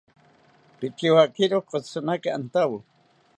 Pikiwakiro kotzironaki antawo